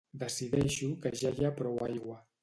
Decideixo que ja hi ha prou aigua.